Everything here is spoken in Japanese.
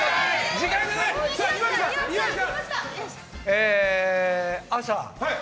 時間がない！